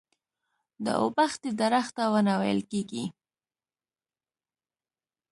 د اوبښتې درخته ونه ويل کيږي.